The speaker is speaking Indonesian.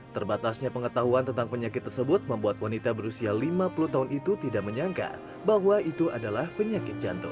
terbatasnya pengetahuan tentang penyakit tersebut membuat wanita berusia lima puluh tahun itu tidak menyangka bahwa itu adalah penyakit jantung